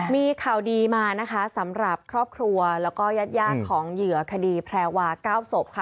มีข่าวดีมานะคะสำหรับครอบครัวแล้วก็ญาติยาดของเหยื่อคดีแพรวา๙ศพค่ะ